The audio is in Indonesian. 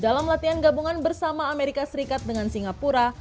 dalam latihan gabungan bersama amerika serikat dengan singapura